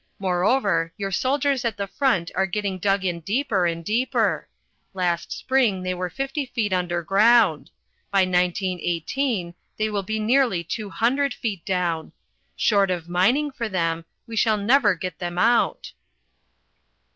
Moreover, your soldiers at the front are getting dug in deeper and deeper: last spring they were fifty feet under ground: by 1918 they will be nearly 200 feet down. Short of mining for them, we shall never get them out."